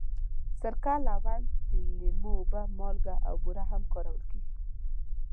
سرکه، لونګ، د لیمو اوبه، مالګه او بوره هم کارول کېږي.